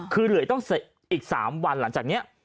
คือเหลืออีกต้องอีก๓วันหลังจากนี้